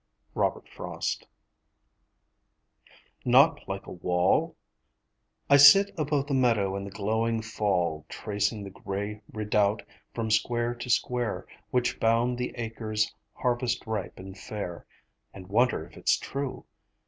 _" (ROBERT FROST) "Not like a wall?" I sit above the meadow in the glowing fall Tracing the grey redoubt from square to square Which bound the acres harvest ripe and fair, And wonder if it's true?